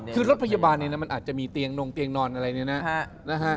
คือรถพยาบาลมันอาจจะมีเตียงนงเตียงนอนอะไรเนี่ยนะฮะ